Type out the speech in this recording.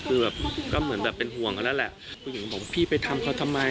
คือแบบก็เหมือนแบบเป็นห่วงกันแล้วแหละผู้หญิงบอกว่าพี่ไปทำเขาทำไม